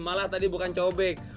malah tadi bukan cobek